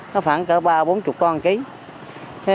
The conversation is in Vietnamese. nó khoảng cả ba bốn mươi con một kg